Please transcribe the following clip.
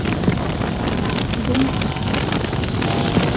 She didn't fix it on me.